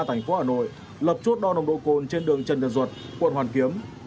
thành phố hà nội lập chuốt đo nồng độ cồn trên đường trần điện duật quận hoàn kiếm